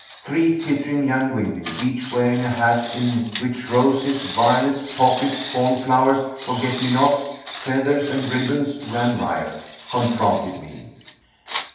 Three tittering young women, each wearing a hat in which roses, violets, poppies, cornflowers, forget me nots, feathers and ribbons ran riot, confronted me.